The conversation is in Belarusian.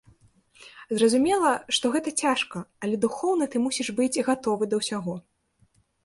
Зразумела, што гэта цяжка, але духоўна ты мусіш быць гатовы да ўсяго.